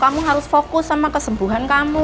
kamu harus fokus sama kesembuhan kamu